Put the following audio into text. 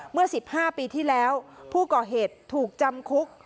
เมื่อ๑๕ปีที่แล้วผู้ก่อเหตุถูกจำคุก